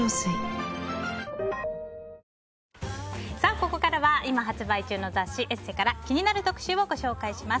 ここからは今発売中の雑誌「ＥＳＳＥ」から気になる特集をご紹介します。